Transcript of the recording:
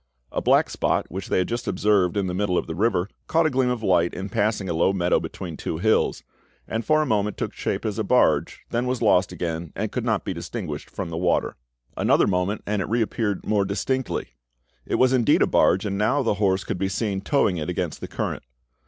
A black spot, which they had just observed in the middle of the river, caught a gleam of light in passing a low meadow between two hills, and for a moment took shape as a barge, then was lost again, and could not be distinguished from the water. Another moment, and it reappeared more distinctly; it was indeed a barge, and now the horse could be seen towing it against the current.